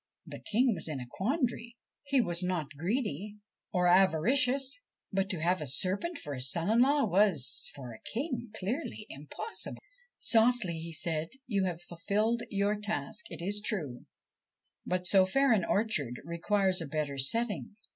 The King was in a quandary. He was not greedy or avaricious ; but to have a serpent for a son in law was, for a king, clearly impossible. ' Softly,' he said. ' You have fulfilled your task, it is true ; but so fair an orchard requires a better setting.